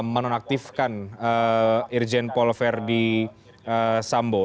menonaktifkan irjen paul verdi sambo